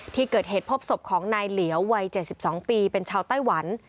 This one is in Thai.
ที่เกิดเหตุพบศพของนายเหลียววัย๗๒ปีเป็นชาวไต้หวัน